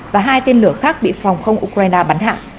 và hai tên lửa khác bị phòng không ukraine bắn hạ